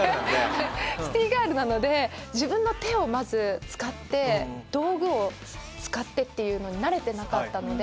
シティーガールなので自分の手を使って道具を使ってというのに慣れてなかったので。